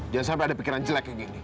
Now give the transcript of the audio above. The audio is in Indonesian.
jangan sampai ada pikiran jelek kayak gini